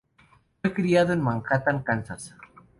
Fue criado en Manhattan, Kansas.